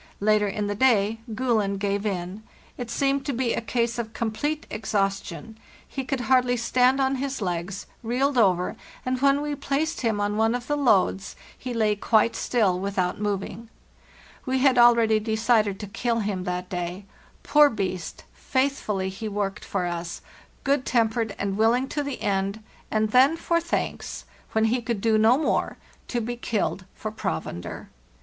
Later in the day 'Gulen' gave in; it seemed to be a case of complete exhaustion, he could hardly stand on his legs, reeled over, and when we placed him on one of the loads he lay quite still without moving. We had already decided to kill A HARD STRUGGLE IQI him that day. Poor beast; faithfully he worked for us, good tempered and willing to the end, and then, for thanks, when he could do no more, to be killed for provender!